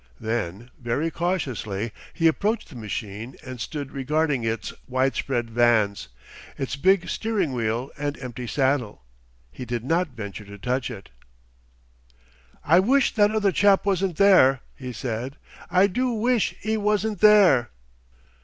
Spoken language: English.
Then very cautiously he approached the machine and stood regarding its widespread vans, its big steering wheel and empty saddle. He did not venture to touch it. "I wish that other chap wasn't there," he said. "I do wish 'e wasn't there!"